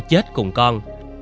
chết cùng con